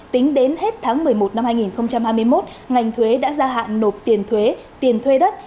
tính đến hết tháng một mươi một năm hai nghìn hai mươi một ngành thuế đã gia hạn nộp tiền thuế tiền thuê đất